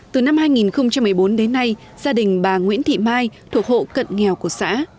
từ năm hai nghìn một mươi bốn đến nay gia đình bà nguyễn thị mai thuộc hộ cận nghèo của xã